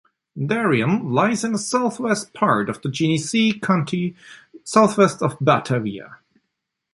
Darien lies in the southwest part of Genesee County, southwest of Batavia.